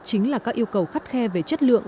chính là các yêu cầu khắt khe về chất lượng